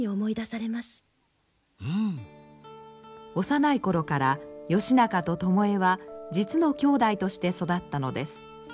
幼い頃から義仲と巴は実のきょうだいとして育ったのです。